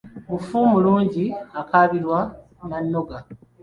Mufu mulungi, akaabirwa na nnoga.